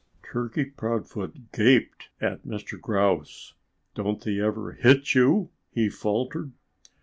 Turkey Proudfoot gaped at Mr. Grouse. "Don't they ever hit you?" he faltered.